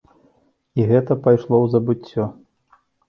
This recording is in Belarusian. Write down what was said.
І гэта пайшло ў забыццё.